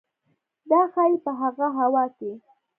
دا ښايي په هغه هوا کې